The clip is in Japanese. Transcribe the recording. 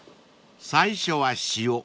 ［最初は塩。